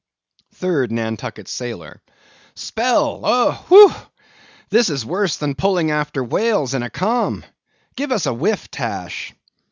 3D NANTUCKET SAILOR. Spell oh!—whew! this is worse than pulling after whales in a calm—give us a whiff, Tash.